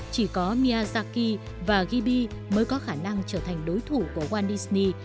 chỉ có miyazaki và gibi mới có khả năng trở thành đối thủ của walt disney